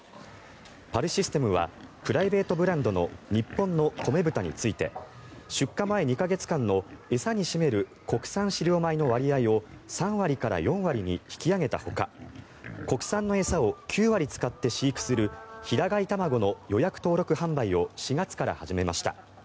パルシステムはプライベートブランドの日本のこめ豚について出荷前２か月間の餌に占める国産飼料米の割合を３割から４割に引き上げたほか国産の餌を９割使って飼育する平飼いたまごの予約登録販売を４月から始めました。